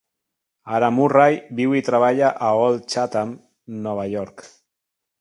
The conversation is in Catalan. Ara Murray viu i treballa a Old Chatham, Nova York.